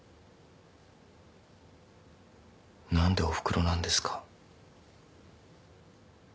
何でおふくろなんですか？